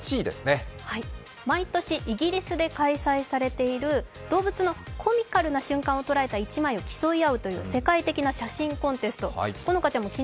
毎年、イギリスで開催されている動物のコミカルな瞬間を捉えた一枚を競うコンテスト。